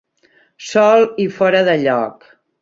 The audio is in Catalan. Sol i fora de lloc.